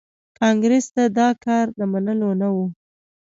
کانګریس ته دا کار د منلو نه و.